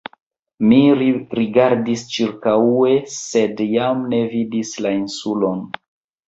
Mi rigardis ĉirkaŭe, sed jam ne vidis la Insulon.